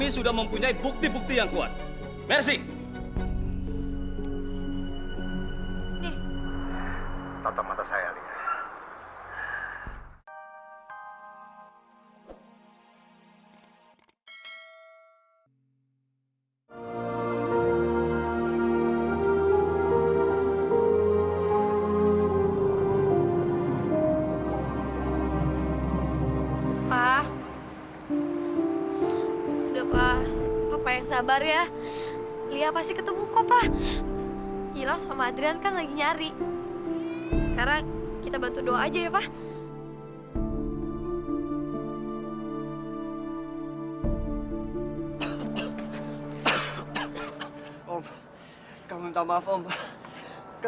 sampai jumpa di video selanjutnya